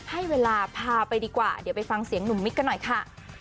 ให้เวลาพาไปดีกว่าเดี๋ยวไปฟังเสียงหนุ่มมิกกันหน่อยค่ะ